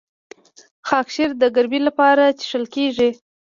خاکشیر د ګرمۍ لپاره څښل کیږي.